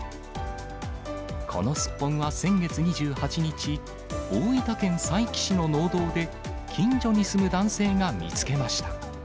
このスッポンは先月２８日、大分県佐伯市の農道で、近所に住む男性が見つけました。